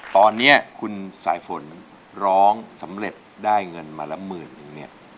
ตอนนี้คุณสายฝนร้องสำเร็จได้เงินมาละ๑๐๐๐๐บาท